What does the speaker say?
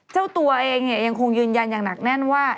เจ้าตัวเองยังคงยืนยันอย่างหนักแน่นว่า